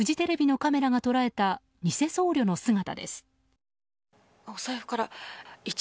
これは７年前フジテレビのカメラが捉えた偽僧侶の姿です。